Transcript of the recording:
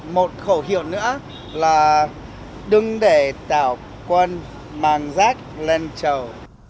một khẩu hiệu nữa là đừng để tạo quân mang rác lên trầu